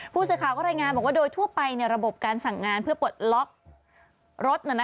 ผู้สื่อข่าวก็รายงานบอกว่าโดยทั่วไประบบการสั่งงานเพื่อปลดล็อกรถ